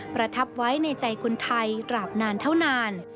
ประทับไว้ในใจคนไทยตราบนานเท่านาน